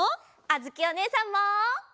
あづきおねえさんも。